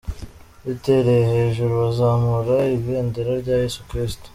Bitereye hejuru bazamura ibendera rya Yesu Kristo.